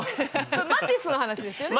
マティスの話ですよね。